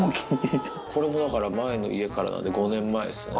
これもだから、前の家からなんで、５年前っすね。